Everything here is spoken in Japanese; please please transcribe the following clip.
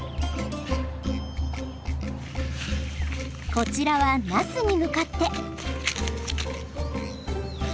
こちらはナスに向かって。